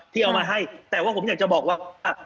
ที่เอามาให้แต่ว่าผมอยากจะบอกว่า